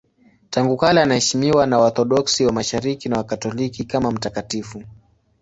Tangu kale anaheshimiwa na Waorthodoksi wa Mashariki na Wakatoliki kama mtakatifu.